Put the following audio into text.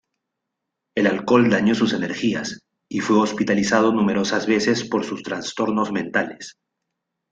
El alcohol dañó sus energías, y fue hospitalizado numerosas veces por sus trastornos mentales.